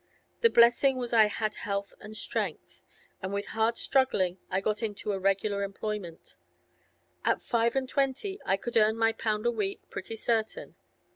The blessing was I had health and strength, and with hard struggling I got into a regular employment. At five and twenty I could earn my pound a week, pretty certain.